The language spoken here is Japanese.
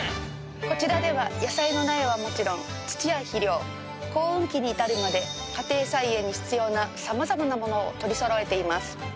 こちらでは野菜の苗はもちろん土や肥料耕運機に至るまで家庭菜園に必要な様々なものを取りそろえています。